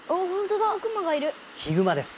ヒグマです。